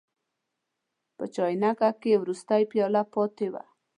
په چاینکه کې وروستۍ پیاله پاتې وه.